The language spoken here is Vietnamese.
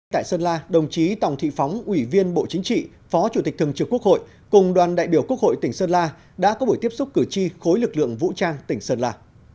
tại sơn la đồng chí tòng thị phóng ủy viên bộ chính trị phó chủ tịch thường trực quốc hội cùng đoàn đại biểu quốc hội tỉnh sơn la đã có buổi tiếp xúc cử tri khối lực lượng vũ trang tỉnh sơn la